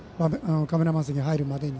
カメラマン席に入るまでに。